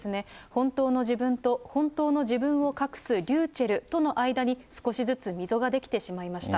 本当の自分と、本当の自分を隠すｒｙｕｃｈｅｌｌとの間に少しずつ溝が出来てしまいました。